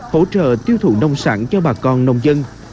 hỗ trợ tiêu thụ nông sản cho bà con nông dân